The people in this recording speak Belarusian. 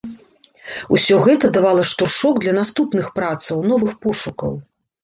Усё гэта давала штуршок для наступных працаў, новых пошукаў.